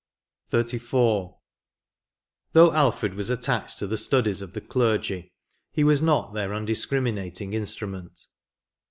F 2 68 XXXIV. " Though Alfred was attached to the studies of the clergy, he was not their undiscrimiDating instru ment.